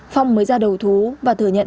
phong mới ra đầu thú và thừa nhận